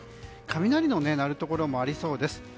雷の鳴るところもありそうです。